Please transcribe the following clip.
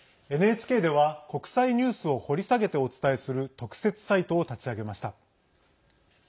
ＮＨＫでは国際ニュースを掘り下げてお伝えする特設サイトを立ち上げました。